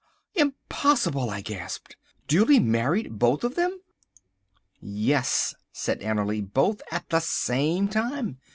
"Impossible!" I gasped; "duly married, both of them?" "Yes," said Annerly, "both at the same time.